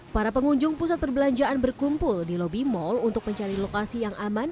para pengunjung pusat perbelanjaan berkumpul di lobi mal untuk mencari lokasi yang aman